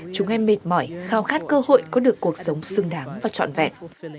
chúng em mệt mỏi khao khát cơ hội có được cuộc sống xứng đáng và trọn vẹn